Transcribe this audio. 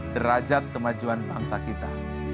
derajat kemajuan bangsa kita